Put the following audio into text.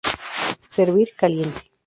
Servir caliente.